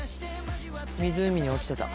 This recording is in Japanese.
湖に落ちてた。